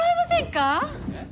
えっ？